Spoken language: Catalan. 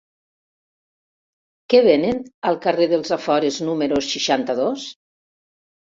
Què venen al carrer dels Afores número seixanta-dos?